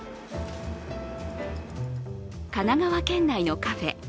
神奈川県内のカフェ。